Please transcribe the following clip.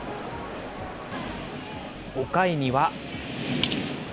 ５回には。